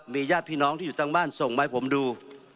ญาติพี่น้องที่อยู่ตั้งบ้านส่งมาให้ผมดู